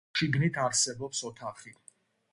შიგნით არსებობს ოთახი.